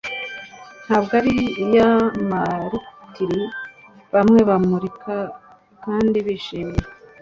ntabwo ari iy'abamaritiri bawe bamurika kandi bishimye